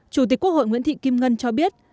chủ tịch quốc hội nguyễn thị kim ngân cho biết